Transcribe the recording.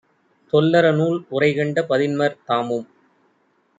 தொல்லறநூல் உரைகண்ட பதின்மர் தாமும்